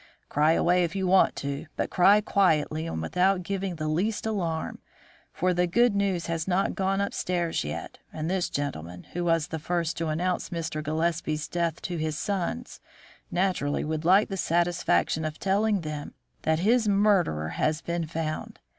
Cry away if you want to, but cry quietly and without giving the least alarm, for the good news has not gone upstairs yet, and this gentleman, who was the first to announce Mr. Gillespie's death to his sons, naturally would like the satisfaction of telling them that his murderer has been found.